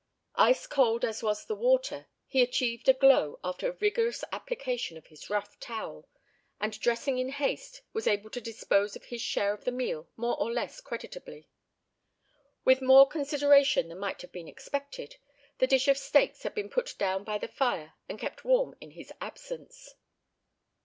Ice cold as was the water, he achieved a glow after a vigorous application of his rough towel, and dressing in haste, was able to dispose of his share of the meal more or less creditably. With more consideration than might have been expected, the dish of steaks had been put down by the fire and kept warm in his absence.